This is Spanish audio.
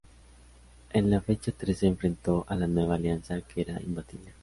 En la fecha trece enfrento a "La Nueva Alianza" que era imbatible.